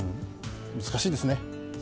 難しいですね。